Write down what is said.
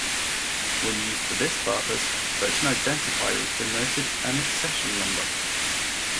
When used for this purpose, such an identifier is denoted an accession number.